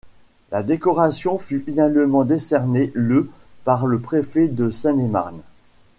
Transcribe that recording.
La décoration fut finalement décernée le par le préfet de Seine-et-Marne.